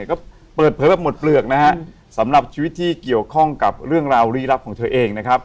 ก็เปิดเผยแบบหมดเปลือกนะฮะสำหรับชีวิตที่เกี่ยวข้องกับเรื่องราวลี้ลับของเธอเองนะครับ